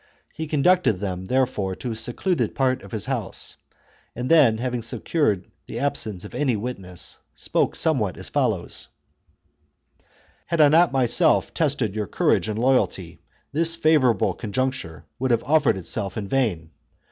He conducted them, therefore, to a secluded part of his house, and then, having secured the absence of any witness, spoke somewhat as follows :—" Had I not myself tested your courage and loyalty this favourable conjuncture would have offered itself in vain.